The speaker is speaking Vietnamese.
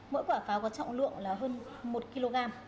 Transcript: mỗi quả pháo có trọng lượng là hơn một kg